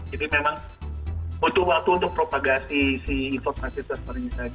jadi memang butuh waktu untuk propagasi si informasi server ini tadi